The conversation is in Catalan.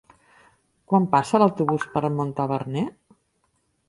Quan passa l'autobús per Montaverner?